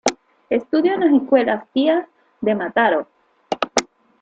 Estudió en las Escuelas Pías de Mataró.